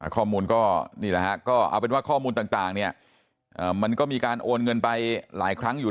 ข้อมูลก็นี่แหละฮะก็เอาเป็นว่าข้อมูลต่างเนี่ยมันก็มีการโอนเงินไปหลายครั้งอยู่